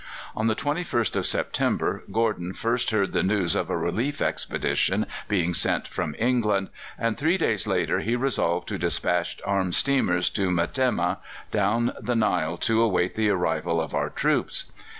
On the 21st of September Gordon first heard the news of a relief expedition being sent from England, and three days later he resolved to dispatch armed steamers to Metemma down the Nile to await the arrival of our troops.